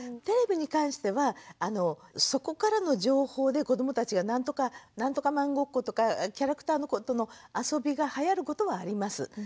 テレビに関してはそこからの情報で子どもたちが何とかマンごっことかキャラクターのことの遊びがはやることはあります。